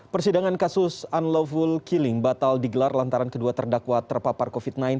persidangan kasus unlawful killing batal digelar lantaran kedua terdakwa terpapar covid sembilan belas